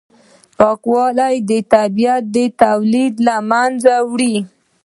پانګوالۍ طبیعي تولید له منځه یووړ.